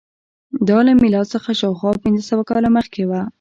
دا له میلاد څخه شاوخوا پنځه سوه کاله مخکې وه